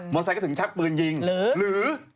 มอเตอร์ไซต์ถึงชักปืนยิงหรือ